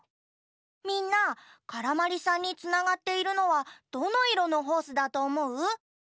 みんなからまりさんにつながっているのはどのいろのホースだとおもう？